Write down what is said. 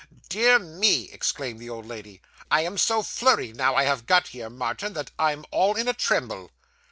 'Dear me!' exclaimed the old lady. 'I am so flurried, now I have got here, Martin, that I'm all in a tremble.